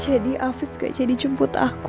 jadi afif gak jadi jemput aku